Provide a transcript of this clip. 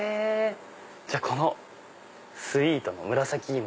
じゃあこのスイートの紫いも。